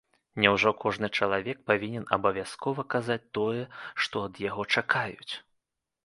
Няўжо кожны чалавек павінен абавязкова казаць тое, што ад яго чакаюць?!